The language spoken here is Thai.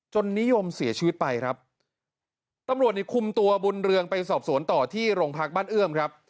นิยมเสียชีวิตไปครับตำรวจนี่คุมตัวบุญเรืองไปสอบสวนต่อที่โรงพักบ้านเอื้อมครับ